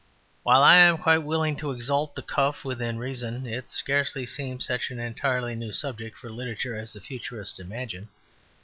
While I am quite willing to exalt the cuff within reason, it scarcely seems such an entirely new subject for literature as the Futurists imagine.